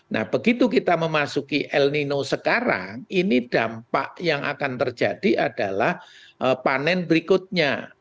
nah begitu kita memasuki el nino sekarang ini dampak yang akan terjadi adalah panen berikutnya